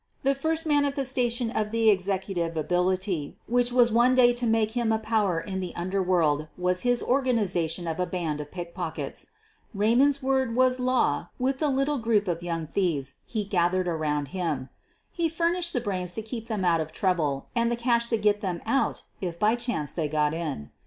The first manifestation of the executive ability which was one day to make him a power in the underworld was his organization of a band of pickpockets. Raymond's word was law with the little group of young thieves he gath ered around him. He furnished the brains to keep them out of trouble and the cash to get them out if by chance they got in.